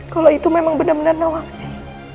kalau itu memang benar benar nawasi